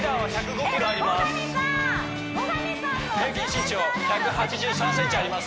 後上さんの平均身長１８３ｃｍあります